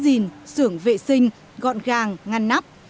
giữ gìn sưởng vệ sinh gọn gàng ngăn nắp